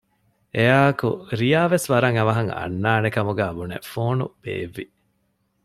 އެއާއެކު ރިޔާ ވެސް ވަރަށް އަވަހަށް އަންނާނެ ކަމުގައި ބުނެ ފޯނު ބޭއްވި